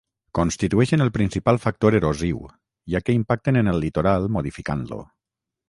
Constitueixen el principal factor erosiu, ja que impacten en el litoral modificant-lo.